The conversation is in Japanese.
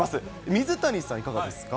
水谷さん、いかがですか。